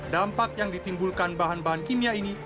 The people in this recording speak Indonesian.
dampak yang ditimbulkan bahan bahan kimia ini